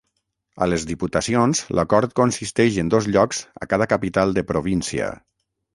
A les diputacions l’acord consisteix en dos llocs a cada capital de província.